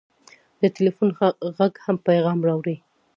د ټېلفون غږ هم پیغام راوړي.